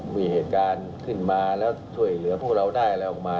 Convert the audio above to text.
มีเหตุการณ์ขึ้นมาแล้วช่วยเหลือพวกเราได้อะไรออกมา